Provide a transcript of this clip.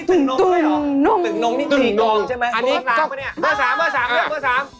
ตึงตึงนงตึงตึงนงใช่ไหมอันนี้อีกแล้วหรือเปล่าเนี่ยเบอร์๓เบอร์๓เบอร์๓